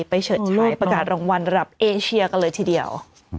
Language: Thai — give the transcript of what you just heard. เฉิดฉายประกาศรางวัลระดับเอเชียกันเลยทีเดียว